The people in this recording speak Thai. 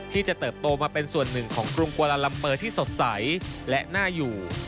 ที่จะเติบโตมาเป็นส่วนหนึ่งของกรุงกวาลาลัมเปอร์ที่สดใสและน่าอยู่